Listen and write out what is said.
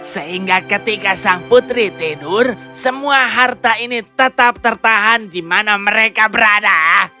sehingga ketika sang putri tidur semua harta ini tetap tertahan di mana mereka berada